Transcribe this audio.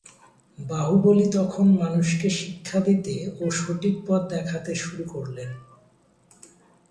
বাহুবলী তখন মানুষকে শিক্ষা দিতে ও সঠিক পথ দেখাতে শুরু করলেন।